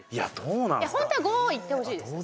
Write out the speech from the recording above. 「本当は５いってほしいです」